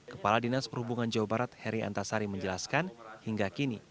kepala dinas perhubungan jawa barat heri antasari menjelaskan hingga kini